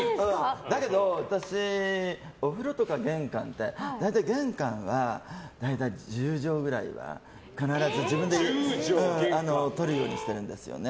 だけど、私、お風呂とか玄関って大体玄関は１０畳くらいは必ずとるようにしてるんですよね。